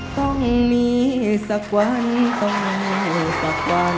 ต้องมีสักวันต้องมีสักวัน